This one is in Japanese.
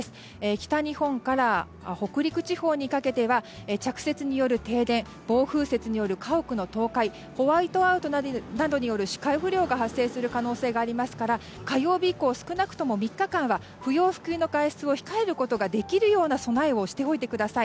北日本から北陸地方にかけては着雪による停電暴風雪による家屋の倒壊ホワイトアウトなどによる視界不良が発生する可能性がありますから火曜日以降少なくとも３日間は不要不急の外出を控えることができるような備えをしておいてください。